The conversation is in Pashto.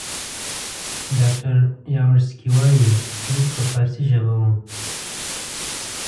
ډاکټر یاورسکي وایي لیک په فارسي ژبه وو.